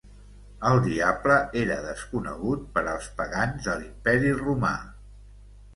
El diable era desconegut per als pagans de l'Imperi Romà.